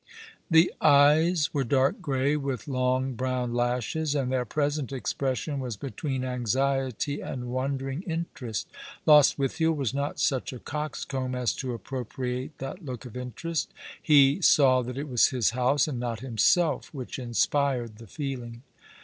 The eyes were dark grey, with long, brown lashes, and their present expression was between anxiety and wondering interest. Lostwithiel was not such a coxcomb as to appropriate that look of interest. He saw that it was his house and not himself which inspired the feeling.